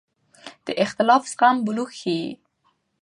د اختلاف زغم بلوغ ښيي